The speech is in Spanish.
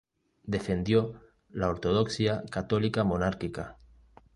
Defendió la ortodoxia católica monárquica.